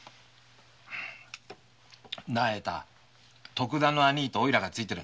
徳田の「兄い」とおいらがついてるんだ。